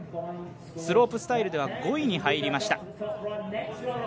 スロープスタイルでは５位に入りました。